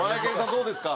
どうですか？